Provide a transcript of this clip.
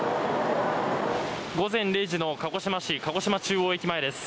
午前０時の鹿児島市・鹿児島中央駅前です。